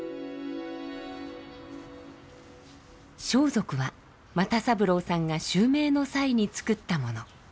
装束は又三郎さんが襲名の際に作ったもの。